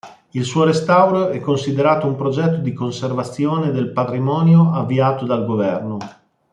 Il suo restauro è considerato un progetto di conservazione del patrimonio avviato dal governo.